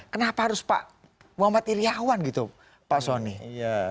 kenapa harus pak muhammad iryawan gitu pak soni